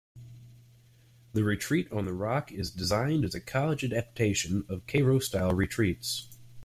The Retreat on the Rock is designed as a college adaptation of Kairos-style retreats.